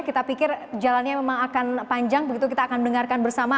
kita pikir jalannya memang akan panjang begitu kita akan dengarkan bersama